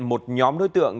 một nhóm đối tượng